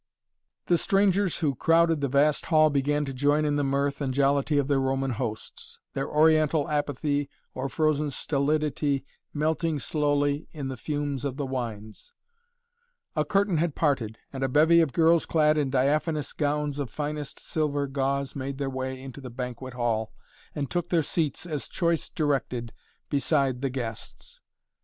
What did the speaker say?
The strangers who crowded the vast hall began to join in the mirth and jollity of their Roman hosts, their Oriental apathy or frozen stolidity melting slowly in the fumes of the wines. A curtain had parted and a bevy of girls clad in diaphanous gowns of finest silver gauze made their way into the banquet hall and took their seats, as choice directed, beside the guests.